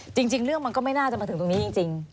จริงเรื่องมันก็ไม่น่าจะมาถึงตรงนี้จริง